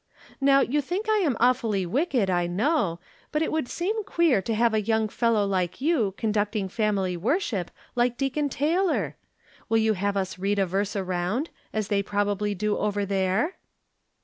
Now you think I am awfully wicked, I know, but it would 100 From Different Standpoints. seem queer to have a young fello w like you con ducting family worsliip like Deacon Taylor ! Will you have us read a verse around, as they probably do over there